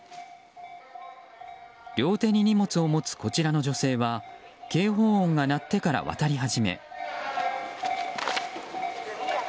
両手に荷物を持つこちらの女性は警報音が鳴ってから渡り始め。